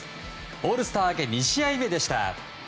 オールスター明け２試合目でした。